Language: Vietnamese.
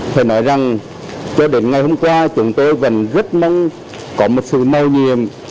phải nói rằng cho đến ngày hôm qua chúng tôi vẫn rất mong có một sự nêu nhiệm